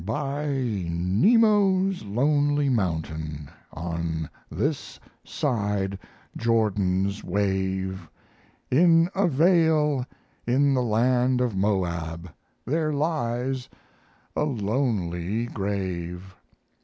By Nebo's lonely mountain, On this side Jordan's wave, In a vale in the land of Moab, There lies a lonely grave.